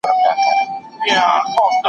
چي مسعود «ملي قهرمان» سو، دوستم «مارشال»